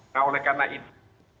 nah oleh karena itu